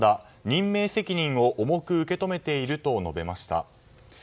任命責任を重く受け止めていると述べました。